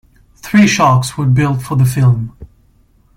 Three sharks were built for the film.